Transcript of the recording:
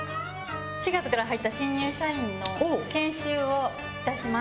４月から入った新入社員の研修をいたします。